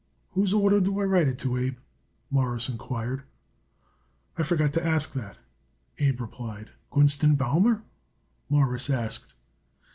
"Whose order do I write it to, Abe?" Morris inquired. "I forgot to ask that," Abe replied. "Gunst & Baumer?" Morris asked.